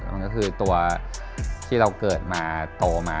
มันก็คือตัวที่เราเกิดมาโตมา